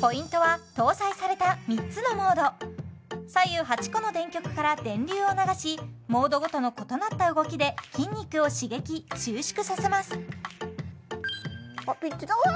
ポイントは搭載された３つのモード左右８個の電極から電流を流しモードごとの異なった動きで筋肉を刺激収縮させますピッてうわ！